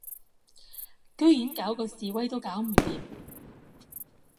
居然搞嗰示威都搞唔掂